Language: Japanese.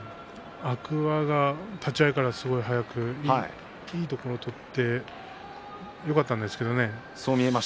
天空海が立ち合いからすごく速くいいところを取ってよかったですけれどもね。